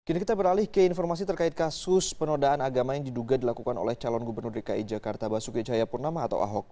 kini kita beralih ke informasi terkait kasus penodaan agama yang diduga dilakukan oleh calon gubernur dki jakarta basuki cahayapurnama atau ahok